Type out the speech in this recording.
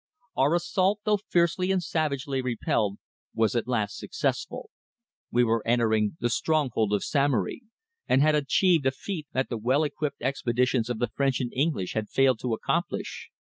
Our assault, though fiercely and savagely repelled, was at last successful. We were entering the stronghold of Samory, and had achieved a feat that the well equipped expeditions of the French and English had failed to accomplish.